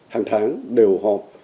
hàng tháng đều họp